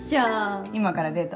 今からデート？